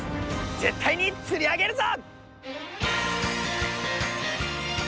絶対に釣り上げるぞ！